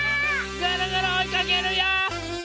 ぐるぐるおいかけるよ！